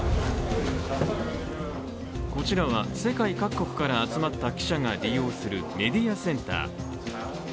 こちらは世界各国から集まった記者が利用するメディアセンター。